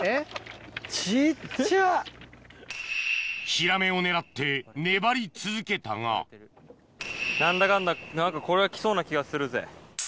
ヒラメを狙って粘り続けたが何だかんだこれは来そうな気がするぜ。